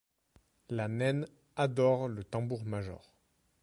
La naine adore le tambour-major.